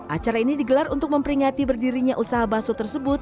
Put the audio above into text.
acara ini digelar untuk memperingati berdirinya usaha bakso tersebut